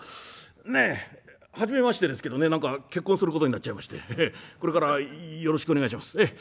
ねえ初めましてですけどね何か結婚することになっちゃいましてこれからよろしくお願いします。